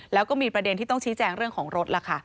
แล้วก็มีประเด็นที่ต้องชี้แจงเรื่องของรถล่ะค่ะ